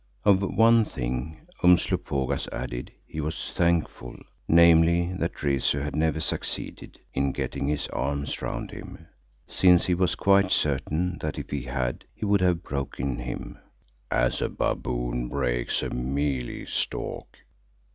Of one thing, Umslopogaas added, he was thankful, namely that Rezu had never succeeded in getting his arms round him, since he was quite certain that if he had he would have broken him "as a baboon breaks a mealie stalk."